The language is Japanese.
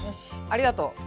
ありがとう！ＯＫ。